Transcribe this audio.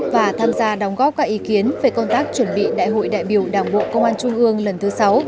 và tham gia đóng góp các ý kiến về công tác chuẩn bị đại hội đại biểu đảng bộ công an trung ương lần thứ sáu